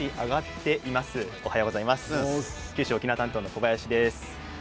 九州沖縄担当の小林です。